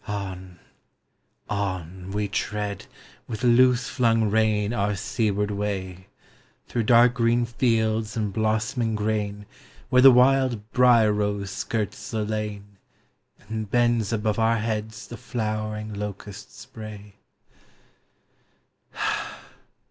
On — on — we tread with loose flung rein Our seaward way. Through dark green fields and blossoming grain, Where the wild brier rose skirts the lane, And bends above our heads the flowering locust spray.